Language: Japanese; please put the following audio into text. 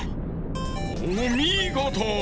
おみごと。